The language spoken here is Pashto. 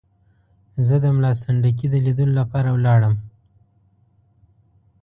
زه د ملا سنډکي د لیدلو لپاره ولاړم.